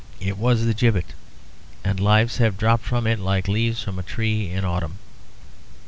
It was the gibbet; and lives have dropped from it like leaves from a tree in autumn.